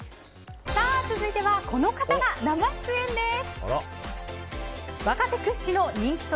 続いてはこの方が生出演です。